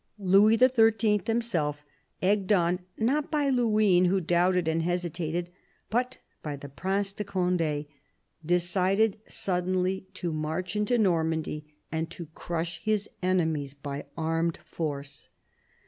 Louis XIII. himself, egged on, not by Luynes, who doubted and hesitated, but by the Prince de Conde, decided suddenly to march into Normandy and to crush his enemies by armed force.